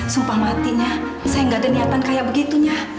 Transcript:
sumpah matinya saya gak ada niatan kayak begitu nya